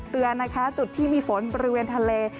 เตือนนะคะจุดที่มีฝนบริเวณทะเล